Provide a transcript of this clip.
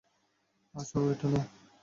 আসো, এটা নাও।